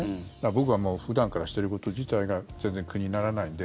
僕はもう普段からしていること自体が全然苦にならないんで。